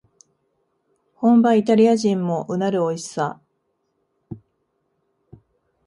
本場イタリア人もうなるおいしさ